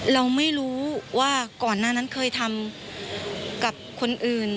เราไม่รู้ว่าก่อนหน้านั้นเคยทำกับคนอื่น